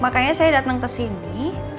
makanya saya datang kesini